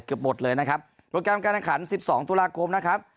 เกือบหมดเลยนะครับโปรแกรมการแข่งขันสิบสองตุลาคมนะครับ